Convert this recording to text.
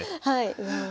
はい。